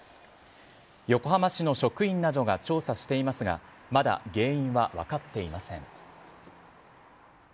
横浜市の職員などが調査していますが、まだ原因は分かっていません。